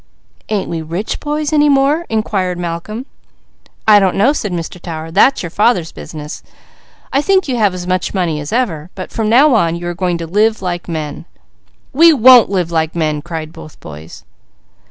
"Ain't we rich boys any more?" inquired Malcolm. "I don't know," said Mr. Tower. "That is your father's business. I think you have as much money as ever, but from now on, you are going to live like men." "We won't live like men!" cried both boys.